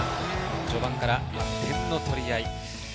序盤から点の取り合い。